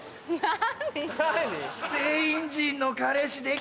何？